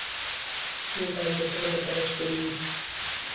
او بر جسد پدرش گریست.